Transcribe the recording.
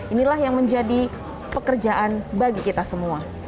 inilah yang menjadi pekerjaan bagi kita semua